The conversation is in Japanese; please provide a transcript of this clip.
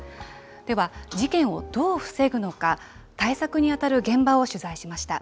では、事件をどう防ぐのか、対策に当たる現場を取材しました。